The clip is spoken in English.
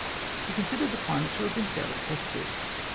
He considered the climate to have been fairly tested.